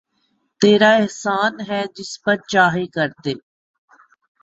تیرا احسان ہے جس پر چاہے کردے